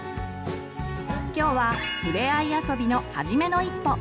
今日はふれあい遊びのはじめの一歩。